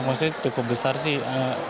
maksudnya cukup besar sih